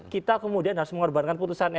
kita kemudian harus mengorbankan putusan ini